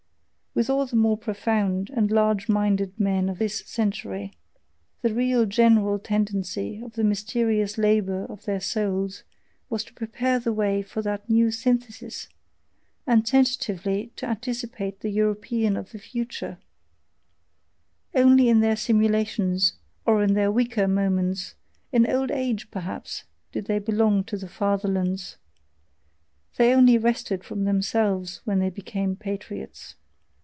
With all the more profound and large minded men of this century, the real general tendency of the mysterious labour of their souls was to prepare the way for that new SYNTHESIS, and tentatively to anticipate the European of the future; only in their simulations, or in their weaker moments, in old age perhaps, did they belong to the "fatherlands" they only rested from themselves when they became "patriots."